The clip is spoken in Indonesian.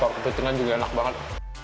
pak kepitingan juga enak banget